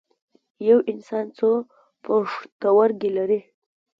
یو انسان څو پښتورګي لري